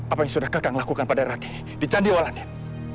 apa yang sudah kakak lakukan pada ratih di candiwara den